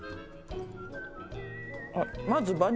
あっまず。